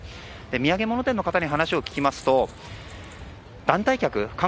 土産物店の方に話を聞きますと団体客観